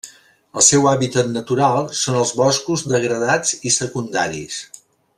El seu hàbitat natural són els boscos degradats i secundaris.